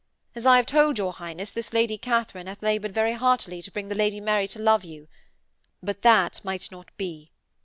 As I have told your Highness, this Lady Katharine hath laboured very heartily to bring the Lady Mary to love you. But that might not be.